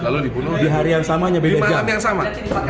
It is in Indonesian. lalu dibunuh di malam yang sama